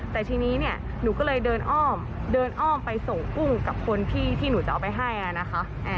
แต่ทีนี้เนี่ยหนูก็เลยเดินอ้อมเดินอ้อมไปส่งกุ้งกับคนที่หนูจะเอาไปให้นะคะ